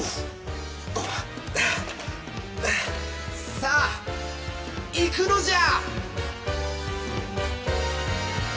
さあイクのじゃ！！